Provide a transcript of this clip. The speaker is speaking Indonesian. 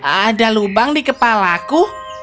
ada lubang di kepalaku